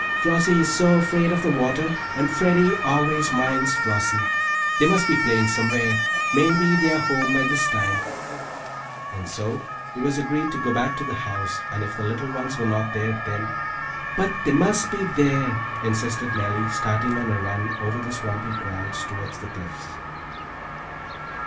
Flossie is so afraid of the water, and Freddie always minds Flossie. They must be playing somewhere. Maybe they are home by this time," and so it was agreed to go back to the house and if the little ones were not there then "But they must be there," insisted Nellie, starting on a run over the swampy grounds toward the Cliffs.